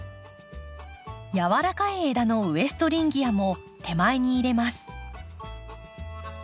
やわらかい枝のウエストリンギアも手前に入れます。